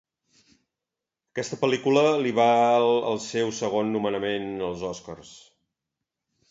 Aquesta pel·lícula li val el seu segon nomenament als Oscars.